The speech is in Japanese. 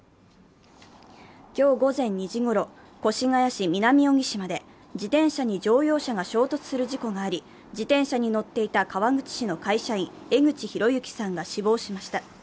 今日午前２時ごろ、越谷市南荻島で自転車に乗用車が衝突する事故があり自転車に乗っていた川口市の会社員、江口浩幸さんが死亡しました。